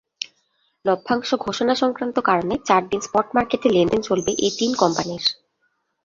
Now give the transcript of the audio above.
লভ্যাংশ ঘোষণাসংক্রান্ত কারণে চার দিন স্পট মার্কেটে লেনদেন চলবে এই তিন কোম্পানির।